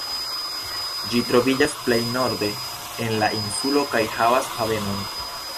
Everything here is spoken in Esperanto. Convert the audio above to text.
Ĝi troviĝas plej norde en la insulo kaj havas havenon.